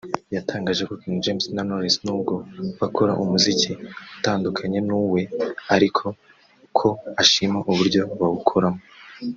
yatangaje ko King James na Knowless nubwo bakora umuziki utandukanye n’uwe ariko ko ashima uburyo bawukoramo